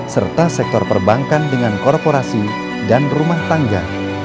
serta sektor perbankan dengan korporasi dan rumah tangga